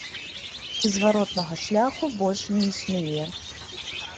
І зваротнага шляху больш не існуе.